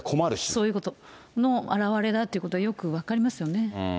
そういうことの表れだっていうことがよく分かりますよね。